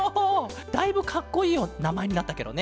だいぶかっこいいなまえになったケロね。